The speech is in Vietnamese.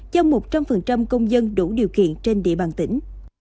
cho một trăm linh công dân đủ điều kiện trên địa bàn tỉnh